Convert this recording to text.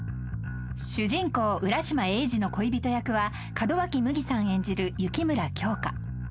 ［主人公浦島エイジの恋人役は門脇麦さん演じる雪村京花］